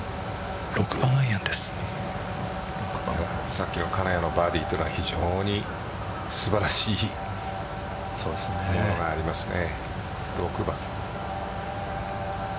さっきの金谷のバーディーは非常に素晴らしいものがありますね。